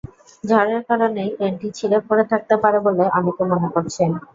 ঝড়ের কারণেই ক্রেনটি ছিঁড়ে পড়ে থাকতে পারে বলে অনেকে মনে করছেন।